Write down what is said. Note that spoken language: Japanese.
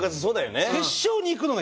そうだよね。